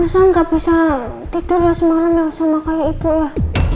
masa nggak bisa tidur semalam sama kayak ibu ya